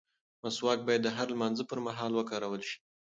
مسواک باید د هر لمانځه پر مهال وکارول شي.